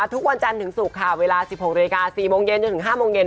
ทุกวันจันทร์ถึงศุกร์ค่ะเวลา๑๖นาฬิกา๔โมงเย็นจนถึง๕โมงเย็น